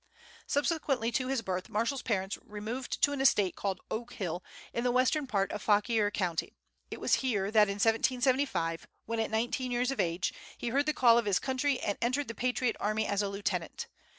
Subsequently to his birth, Marshall's parents removed to an estate called Oak Hill, in the western part of Fauquier County. It was here that in 1775, when nineteen years of age, he heard the call of his country and entered the patriot army as a lieutenant.